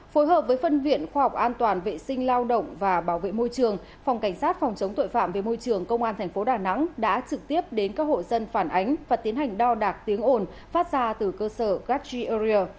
phối hợp với phân viện khoa học an toàn vệ sinh lao động và bảo vệ môi trường phòng cảnh sát phòng chống tội phạm về môi trường công an tp đà nẵng đã trực tiếp đến các hộ dân phản ánh và tiến hành đo đạc tiếng ồn phát ra từ cơ sở gatti arier